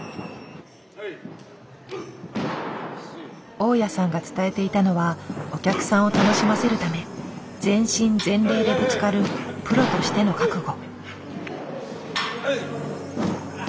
大矢さんが伝えていたのはお客さんを楽しませるため全身全霊でぶつかるプロとしての覚悟。